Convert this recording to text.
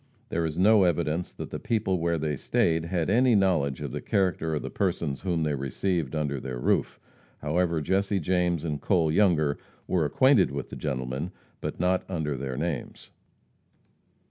There is no evidence that the people where they stayed had any knowledge of the character of the persons whom they received under their roof. However, Jesse James and Cole Younger were acquainted with the gentleman, but not under their names.